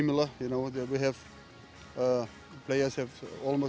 pelan pelan ini hampir sama